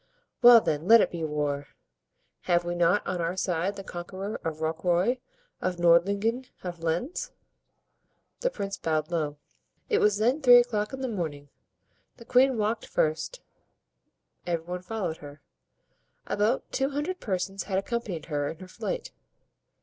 "Well, then, let it be war! Have we not on our side the conqueror of Rocroy, of Nordlingen, of Lens?" The prince bowed low. It was then three o'clock in the morning. The queen walked first, every one followed her. About two hundred persons had accompanied her in her flight.